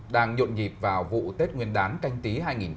đang nhộn nhịp vào vụ tết nguyên đán canh tí hai nghìn hai mươi